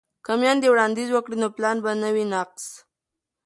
که میندې وړاندیز وکړي نو پلان به نه وي ناقص.